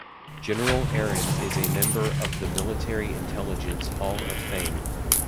General Aaron is a member of the Military Intelligence Hall of Fame.